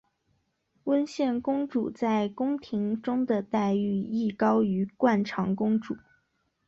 温宪公主在宫廷中的待遇亦高于惯常公主。